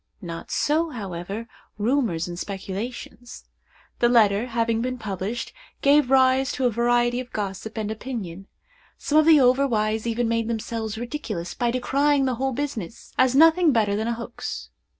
Not so, however, rumors and speculations. The letter, having been published, gave rise to a variety of gossip and opinion. Some of the over wise even made themselves ridiculous by decrying the whole business; as nothing better than a hoax.